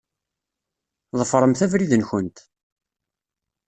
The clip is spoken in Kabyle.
Ḍefṛemt abrid-nkent.